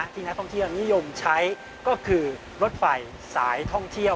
ที่นักท่องเที่ยวนิยมใช้ก็คือรถไฟสายท่องเที่ยว